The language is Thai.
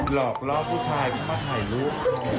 หลอกรอบผู้ชายเข้าถ่ายลูก